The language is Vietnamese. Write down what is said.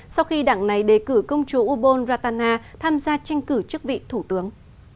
sau khi đảng này đề cử công chúa ubon ratana tham gia tranh cử chức vị thủ tướng